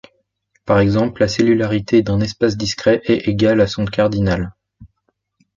Par exemple, la cellularité d'un espace discret est égale à son cardinal.